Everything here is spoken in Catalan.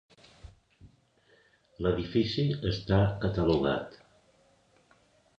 L'edifici està catalogat.